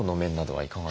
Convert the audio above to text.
はい。